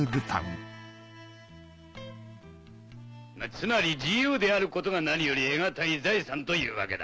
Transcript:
つまり自由であることが何より得難い財産というわけだ。